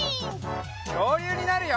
きょうりゅうになるよ！